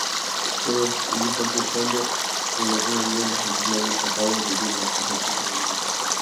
Todo ello flotando en una niebla fantasmal, empapado de lluvia —con frecuencia, de nieve—.